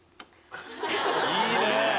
いいね。